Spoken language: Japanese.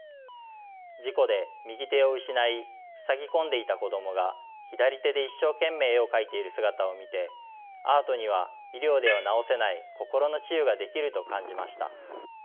事故で右手を失いふさぎ込んでいた子供が左手で一生懸命絵を描いている姿を見てアートには医療では治せない心の治癒ができると感じました。